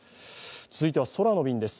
続いては空の便です。